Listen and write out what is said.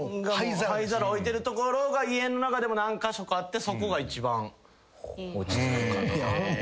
灰皿置いてる所が家の中でも何カ所かあってそこが一番落ち着くかな。